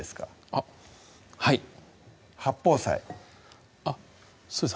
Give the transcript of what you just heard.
あっはい八宝菜あっそうです